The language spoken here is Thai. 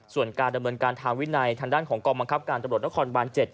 ส่วนการดำเนินการทางวินัยทางด้านของกองบังคับการตำรวจนครบาน๗